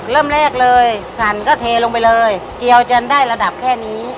เริ่มแรกเลยสั่นก็เทลงไปเลยเจียวจนได้ระดับแค่นี้